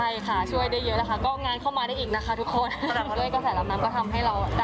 อย่างนี้ค่ะรำนำมันทำให้งานเราเยอะขึ้นมา